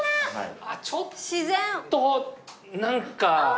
ちょっと何か。